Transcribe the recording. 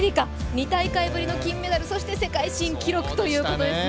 ２大会ぶりの金メダル、そして世界新記録ということですね。